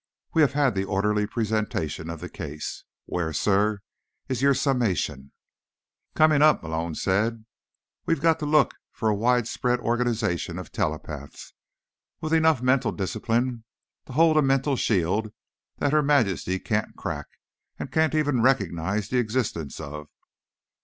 We have had the orderly presentation of the case; where, Sirrah, is your summation?" "Coming up," Malone said. "We've got to look for a widespread organization of telepaths, with enough mental discipline to hold a mental shield that Her Majesty can't crack, and can't even recognize the existence of.